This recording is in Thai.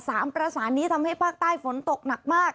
ประสานนี้ทำให้ภาคใต้ฝนตกหนักมาก